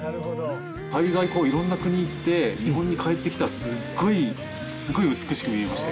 海外色んな国行って日本に帰ってきたらすっごいすごい美しく見えました。